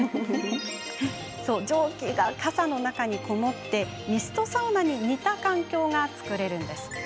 蒸気が傘の中に籠もりミストサウナに似た環境が作られるんです。